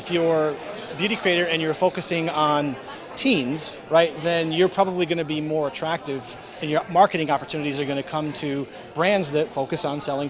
jadi jika anda seorang kreator kecantikan dan anda fokus pada kecil